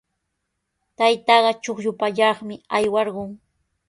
Taytaaqa chuqllu pallaqmi aywarqun.